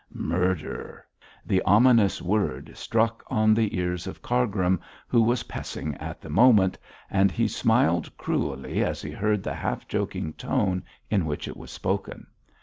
Murder! The ominous word struck on the ears of Cargrim, who was passing at the moment, and he smiled cruelly as he heard the half joking tone in which it was spoken.